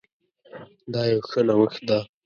دا يو ښه نوښت ده